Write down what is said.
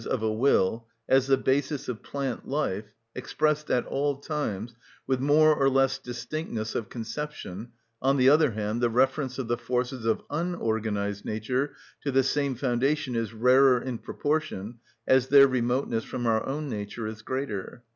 _, of a will, as the basis of plant life, expressed at all times, with more or less distinctness of conception, on the other hand, the reference of the forces of unorganised nature to the same foundation is rarer in proportion as their remoteness from our own nature is greater.